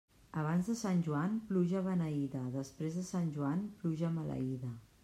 Abans de Sant Joan, pluja beneïda; després de Sant Joan, pluja maleïda.